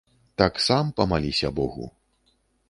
Так сам памаліся богу.